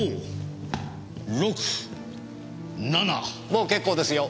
もう結構ですよ！